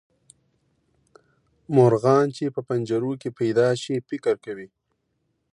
مرغان چې په پنجرو کې پیدا شي فکر کوي.